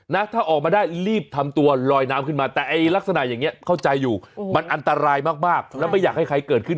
นะถ้าออกมาได้รีบทำตัวลอยน้ำขึ้นมาแต่ไอ้ลักษณะอย่างนี้เข้าใจอยู่มันอันตรายมากแล้วไม่อยากให้ใครเกิดขึ้น